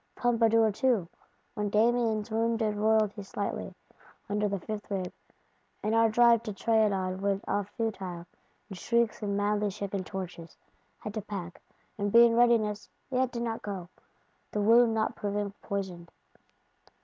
Pompadour too, when Damiens wounded Royalty "slightly, under the fifth rib," and our drive to Trianon went off futile, in shrieks and madly shaken torches,—had to pack, and be in readiness: yet did not go, the wound not proving poisoned.